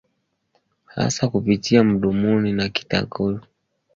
hasa kupitia mdomoni na kitakoni Wanyama wafu wasipozikwa na kufukiwa bakteria walio miilini mwao